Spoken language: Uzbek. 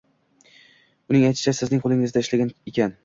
Uning aytishicha, sizning qoʻlingizda ishlagan ekan.